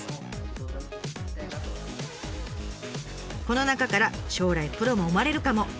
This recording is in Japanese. この中から将来プロも生まれるかも。